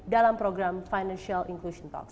dalam program financial inclusion talk